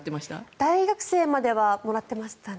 大学生まではもらってましたね。